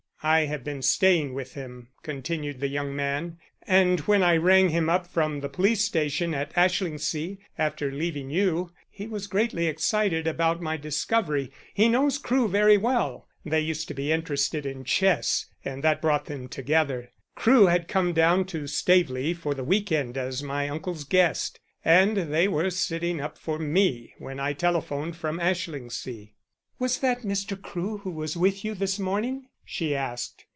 "I have been staying with him," continued the young man. "And when I rang him up from the police station at Ashlingsea, after leaving you, he was greatly excited about my discovery. He knows Crewe very well they used to be interested in chess, and that brought them together. Crewe had come down to Staveley for the week end as my uncle's guest, and they were sitting up for me when I telephoned from Ashlingsea." "Was that Mr. Crewe who was with you this morning?" she asked.